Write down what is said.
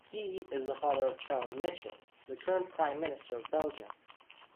He is the father of Charles Michel, the current Prime Minister of Belgium.